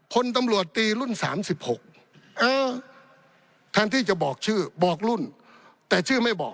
คนตำรวจตีรุ่น๓๖เออแทนที่จะบอกชื่อบอกรุ่นแต่ชื่อไม่บอก